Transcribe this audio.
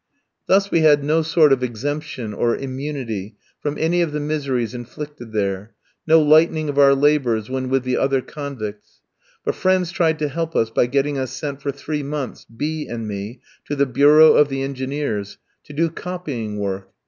Thus we had no sort of exemption or immunity from any of the miseries inflicted there, no lightening of our labours when with the other convicts; but friends tried to help us by getting us sent for three months, B ski and me, to the bureau of the Engineers, to do copying work.